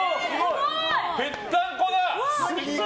ぺったんこだ！